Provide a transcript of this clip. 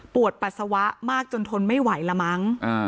ปวดปัสสาวะมากจนทนไม่ไหวละมั้ง